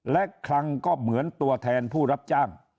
และคลังก็เหมือนตัวแทนผู้รับจ้าง